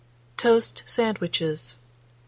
TOAST SANDWICHES. 1877.